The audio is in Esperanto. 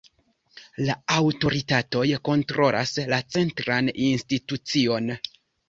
La aŭtoritatoj kontrolas la centran institucion.